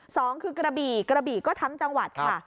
สองคือกระบี่กระบี่ก็ทั้งจังหวัดค่ะ